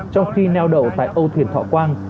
trong khi neo đậu tại âu thiền thọ quang